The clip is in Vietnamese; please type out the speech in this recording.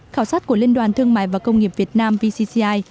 khảo sát của liên đoàn thương mại và công nghiệp việt nam vcci